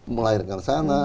melahirkan di sana